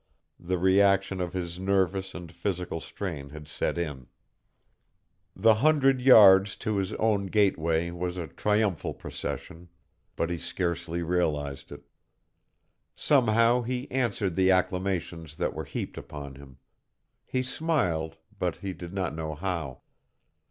The reaction of his nervous and physical strain had set in. The hundred yards to his own gateway was a triumphal procession, but he scarcely realized it. Somehow he answered the acclamations that were heaped upon him. He smiled, but he did not know how.